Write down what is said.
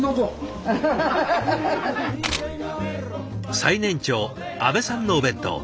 最年長阿部さんのお弁当。